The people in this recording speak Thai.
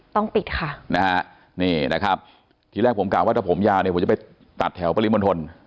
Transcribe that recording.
ต้องปิดค่ะนะฮะนี่นะครับทีแรกผมกล่าวว่าถ้าผมยาวเนี่ยผมจะไปตัดแถวปริมณฑล